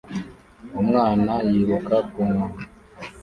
Umwana yiruka ku nkombe